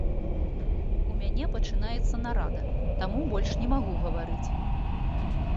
У мяне пачынаецца нарада, таму больш не магу гаварыць.